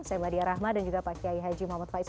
saya meladia rahma dan juga pak kiai haji muhammad faiz